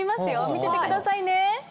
見ててくださいね。